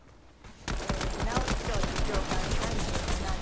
直木賞受賞から３７年。